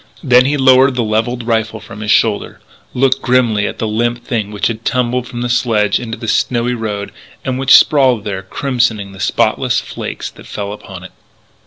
Then he lowered the levelled rifle from his shoulder, looked grimly at the limp thing which had tumbled from the sledge into the snowy road and which sprawled there crimsoning the spotless flakes that fell upon it.